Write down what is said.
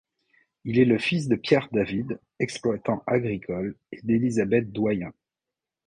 Il est le fils de Pierre David, exploitant agricole, et d'Élisabeth Doyen.